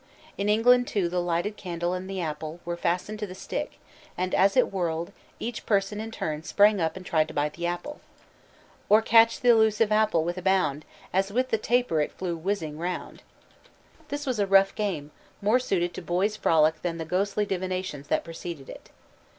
In England too the lighted candle and the apple were fastened to the stick, and as it whirled, each person in turn sprang up and tried to bite the apple. "Or catch th' elusive apple with a bound, As with the taper it flew whizzing round." This was a rough game, more suited to boys' frolic than the ghostly divinations that preceded it.